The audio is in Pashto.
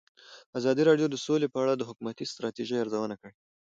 ازادي راډیو د سوله په اړه د حکومتي ستراتیژۍ ارزونه کړې.